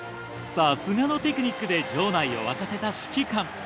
さすがのテクニックで場内を沸かせた指揮官。